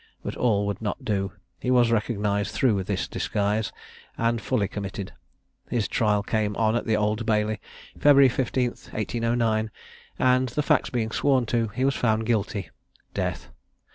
But all would not do; he was recognised through his disguise, and fully committed. His trial came on at the Old Bailey, February the 15th, 1809, and, the facts being sworn to, he was found guilty death.